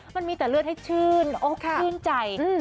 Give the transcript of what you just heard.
มันมีแต่เลือดให้ชื่นอกชื่นใจ